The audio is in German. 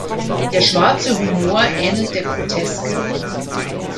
Der schwarze Humor ähnelt der Groteske.